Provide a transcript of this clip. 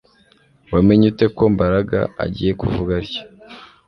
Wamenye ute ko Mbaraga agiye kuvuga atyo